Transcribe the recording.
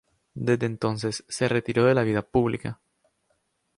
Desde entonces se retiró de la vida pública.